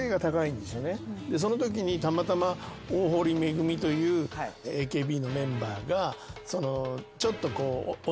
そのときにたまたま大堀恵というＡＫＢのメンバーがちょっとこう。